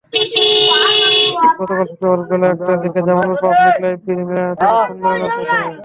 গতকাল শুক্রবার বেলা একটার দিকে জামালপুর পাবলিক লাইব্রেরি মিলনায়তনে সম্মেলন অনুষ্ঠিত হয়।